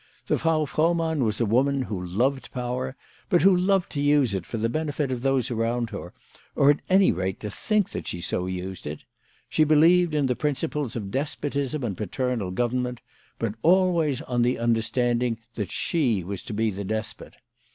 The Frau Frohmann was a woman who loved power, but who loved to use it for the benefit of those around her, or at any rate to think that she so used it. She believed in the principles of despotism and paternal government, but always on the understanding that she was to be the despot.